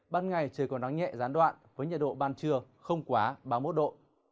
ban ngày trời còn nắng nhẹ gián đoạn với nhiệt độ ban trưa không quá ba mươi một độ